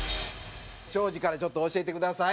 庄司からちょっと教えてください。